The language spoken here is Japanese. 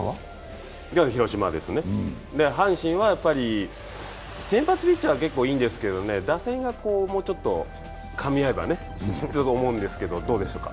阪神は先発ピッチャーは割といいんですけどね、打線がもうちょっとかみ合えばねと思うんですがどうでしょうか？